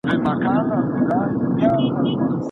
په قلم خط لیکل د ژوند د لاري د روښانه کولو ډېوه ده.